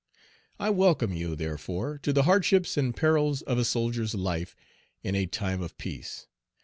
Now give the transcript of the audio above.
I welcome you, therefore, to the hardships and perils of a soldier's life in a time of peace.